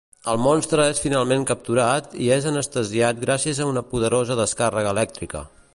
El monstre és finalment capturat i és anestesiat gràcies a una poderosa descàrrega elèctrica.